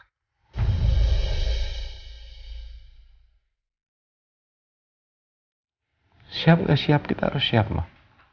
bersiap gak siap kita harus siap mah